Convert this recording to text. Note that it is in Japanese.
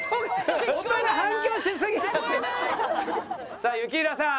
さあ雪平さん。